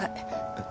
えっ？